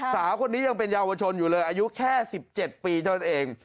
สาวคนนี้ยังเป็นเยาวชนอยู่เลยอายุแค่๑๗ปีเท่านั้นเอง